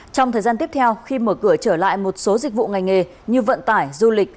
trong thời gian tiếp theo khi mở cửa trở lại một số dịch vụ ngành nghề như vận tải du lịch